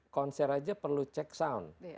konser aja perlu check sound